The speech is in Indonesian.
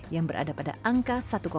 yang berada pada angka satu empat belas